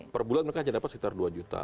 per bulan mereka hanya dapat sekitar dua juta